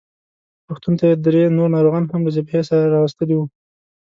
روغتون ته یې درې نور ناروغان هم له جبهې راوستلي وو.